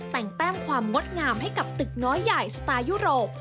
แต่งแต้มความงดงามให้กับตึกน้อยใหญ่สไตล์ยุโรป